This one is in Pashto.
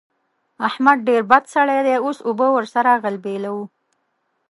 احمد ډېر بد سړی دی؛ اوس اوبه ور سره غلبېلوو.